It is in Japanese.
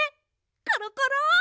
コロコロ！